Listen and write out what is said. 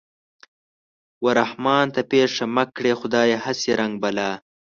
و رحمان ته پېښه مه کړې خدايه هسې رنگ بلا